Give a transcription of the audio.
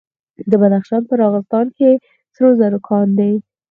د بدخشان په راغستان کې سرو زرو کان دی.